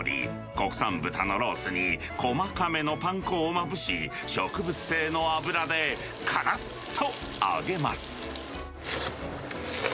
国産豚のロースに、細かめのパン粉をまぶし、植物性の油でからっと揚げます。